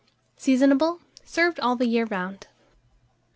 Seasonable. Served all the year round.